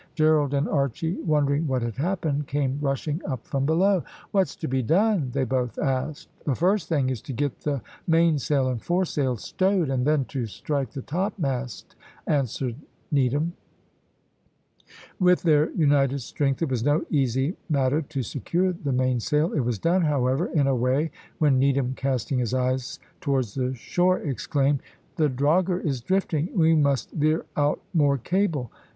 Gerald and Archy wondering what had happened, came rushing up from below. "What's to be done?" they both asked. "The first thing is to get the mainsail and foresail stowed, and then to strike the topmast," answered Needham. With their united strength it was no easy matter to secure the mainsail. It was done, however, in a way, when Needham casting his eyes towards the shore, exclaimed "The drogher is drifting we must veer out more cable!"